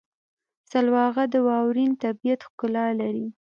سلواغه د واورین طبیعت ښکلا لري.